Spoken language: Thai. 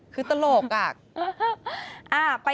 คือตลกอะ